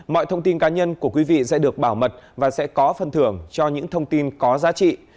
mọi thông tin cá nhân của quý vị sẽ được bảo mật và sẽ có phần thưởng cho những thông tin có giá trị